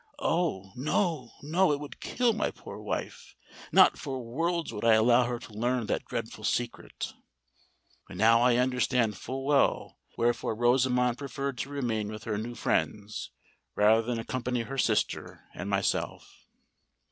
"Oh! no—no: it would kill my poor wife! Not for worlds would I allow her to learn that dreadful secret! And now I understand full well wherefore Rosamond preferred to remain with her new friends, rather than accompany her sister and myself."